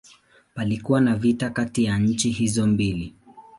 Palikuwa na vita kati ya nchi hizo mbili.